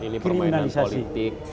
ini permainan politik